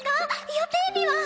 予定日は？